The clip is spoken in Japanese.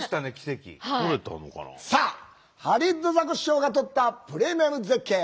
さあハリウッドザコシショウが撮ったプレミアム絶景